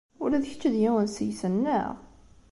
Ula d kečč d yiwen seg-sen, naɣ?!